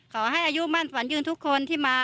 ขอให้อายุมั่นสวรรค์ยื่นทุกคนที่มา